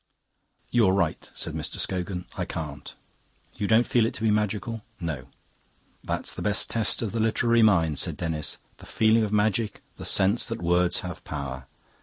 "You're right," said Mr. Scogan. "I can't." "You don't feel it to be magical?" "No." "That's the test for the literary mind," said Denis; "the feeling of magic, the sense that words have power.